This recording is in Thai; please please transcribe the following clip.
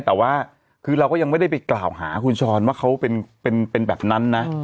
แต่ว่าคือเราก็ยังไม่ได้ไปกล่าวหาคุณช้อนว่าเขาเป็นแบบนั้นนะ